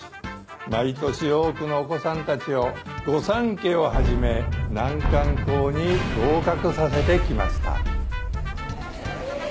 毎年多くのお子さんたちを御三家をはじめ難関校に合格させて来ました。